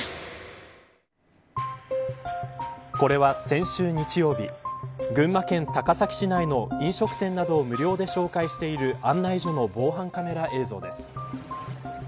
これは先週、日曜日群馬県高崎市内の飲食店などを無料で紹介している案内所の防犯カメラ映像です。